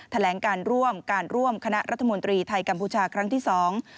แถลงการร่วมการร่วมคณะรัฐมนตรีไทยกัมพูชาครั้งที่สอง